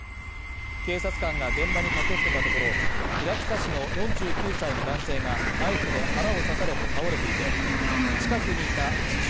警察官が現場に駆け付けたところ、平塚市の４９歳の男性がナイフで腹を刺されて倒れていて、近くにいた自称